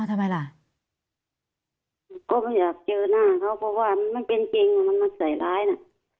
ทำไมล่ะก็ไม่อยากเจอหน้าเขาเพราะว่ามันเป็นจริงมันมันใส่ร้ายน่ะ